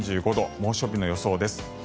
猛暑日の予想です。